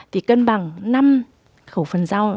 thì cân bằng năm khẩu phấn rau